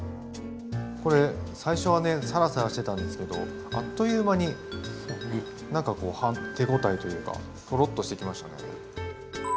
これ最初はねさらさらしてたんですけどあっという間に何か手応えというかトロッとしてきましたね。